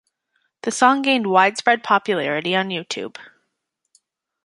The song gained widespread popularity on YouTube.